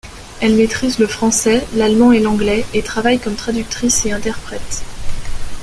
Elle maîtrise le français, l'allemand et l'anglais, et travaille comme traductrice et interprète.